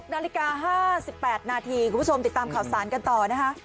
นาฬิกา๕๘นาทีคุณผู้ชมติดตามข่าวสารกันต่อนะคะ